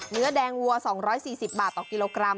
เนื้อแดงวัว๒๔๐บาทต่อกิโลกรัม